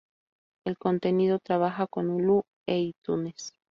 El contenido trabaja con Hulu e iTunes.